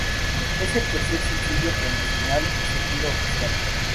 Es el tercer sencillo promocional y segundo oficial.